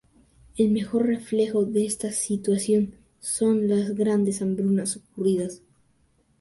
El mejor reflejo de esta situación son las grandes hambrunas ocurridas.